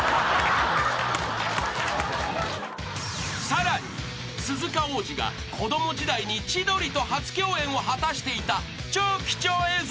［さらに鈴鹿央士が子供時代に千鳥と初共演を果たしていた超貴重映像も大公開］